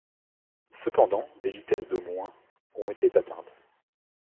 Cependant, des vitesses d'au moins ont été atteintes.